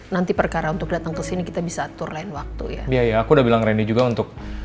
nanti perkara untuk datang ke sini kita bisa atur lain waktu ya iya aku udah bilang rendy juga untuk